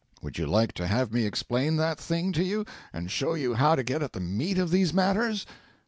Would you like to have me explain that thing to you, and show you how to get at the meat of these matters?'